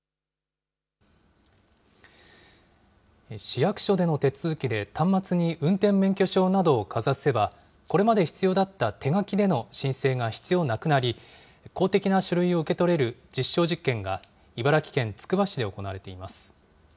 市役所での手続きで端末に運転免許証などをかざせば、これまで必要だった手書きでの申請が必要なくなり、公的な書類を受け取れる実証実験が茨城県つくば市で行われています。